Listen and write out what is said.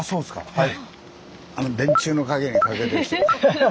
はい！